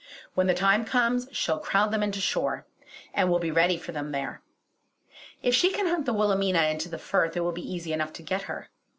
When the time comes, she'll crowd them into shore; and we'll be ready for them there. If she can hunt the Wilhelmina into the Firth it will be easy enough to get her.